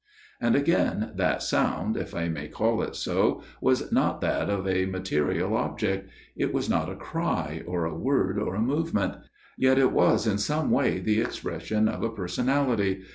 " And again, that sound, if I may call it so, was not that of a material object ; it was not a cry or a word or a movement. Yet it was in some way the expression of a personality.